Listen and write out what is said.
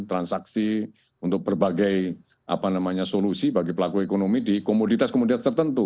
transaksi untuk berbagai solusi bagi pelaku ekonomi di komoditas komoditas tertentu